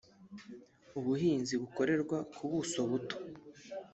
ubuhinzi bukorerwa ku buso buto